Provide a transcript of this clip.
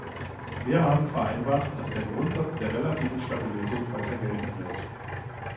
Wir haben vereinbart, dass der Grundsatz der relativen Stabilität weiter gelten wird.